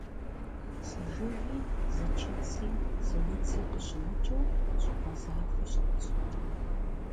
Зы жыги, зы чыци, зы удзи къыщымыкӀыу щӀыпӀэ захуи щыӀэщ.